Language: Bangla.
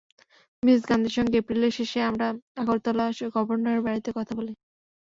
মিসেস গান্ধীর সঙ্গে এপ্রিলের শেষে আমরা আগরতলার গভর্নরের বাড়িতে কথা বলি।